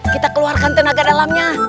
kita keluarkan tenaga dalamnya